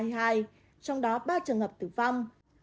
trong đó ba trường hợp tử vong